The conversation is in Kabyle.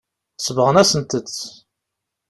Sebɣen-asent-t.